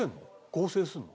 合成するの？